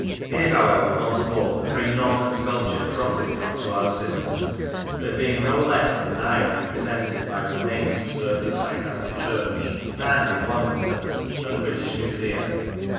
Here, however, once more, the pre Norman sculptured crosses come to our assist ance, there being no less than nine represented by remains preserved at Lancaster church, and (in one instance) at the British Museum.